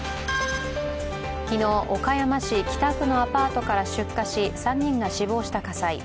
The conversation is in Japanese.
昨日、岡山市北区のアパートが出火し３人が死亡した火災。